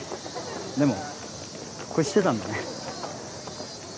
でもこれしてたんだね。